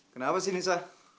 kenapa sih nisa